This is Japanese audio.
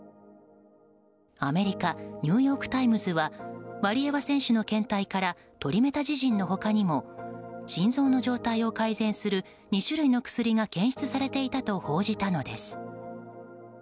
アメリカニューヨーク・タイムズはワリエワ選手の検体からトリメタジジンの他にも心臓の状態を改善する２種類の薬が検出されていたと報じたのです。